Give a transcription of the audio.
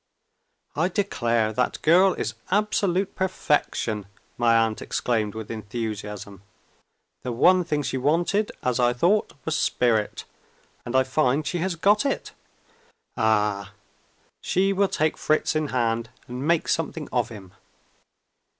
"I declare that girl is absolute perfection!" my aunt exclaimed with enthusiasm. "The one thing she wanted, as I thought, was spirit and I find she has got it. Ah! she will take Fritz in hand, and make something of him.